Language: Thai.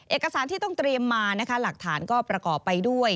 เอกสารที่ต้องเตรียมมานะคะหลักฐานก็ประกอบไปด้วย